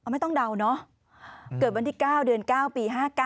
ไม่ต้องเดาเนาะเกิดวันที่๙เดือน๙ปี๕๙